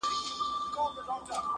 د وروستي عدالت کور د هغه ځای دئ!